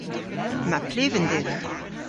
Yma pluven dhywgh.